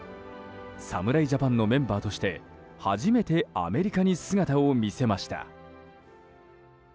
侍ジャパンのメンバーとして初めてアメリカに姿を見せました。